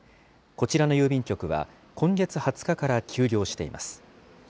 こちらの郵便局は、今月２０日から休業しています。